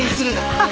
はい。